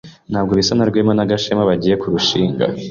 Ntabwo bisa na Rwema na Gashema bagiye kurushinga.